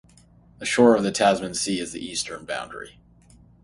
The shore of the Tasman Sea is the eastern boundary.